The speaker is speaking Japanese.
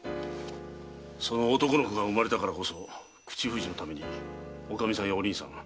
その男の子が産まれたからこそ口封じのためにおかみさんやお凛さん